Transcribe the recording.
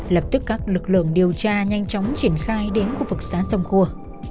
lập tức các lực lượng điều tra nhanh chóng triển khai đến khu vực xá sông khua